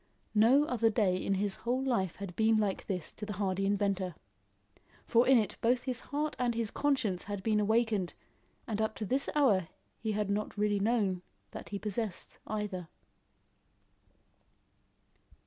No other day in his whole life had been like this to the hardy inventor; for in it both his heart and his conscience had been awakened, and up to this hour he had not really known that he possessed either.